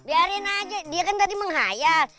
biarin aja dia kan tadi menghayat